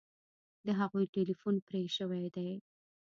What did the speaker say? د هغوی ټیلیفون پرې شوی دی